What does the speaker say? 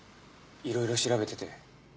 いろいろ調べてて。